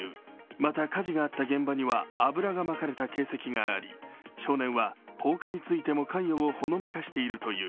また火事があった現場には油がまかれた形跡があり、少年は関与をほのめかしているという。